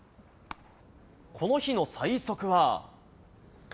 この日の最速は。